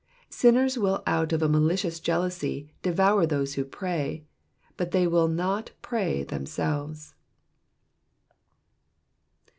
Sinners will out of a ,malicious jealousy devour those who pray, but yet they will not pray themselves.